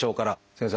先生。